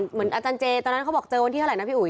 เหมือนอาจารย์เจตอนนั้นเขาบอกเจอวันที่เท่าไหร่นะพี่อุ๋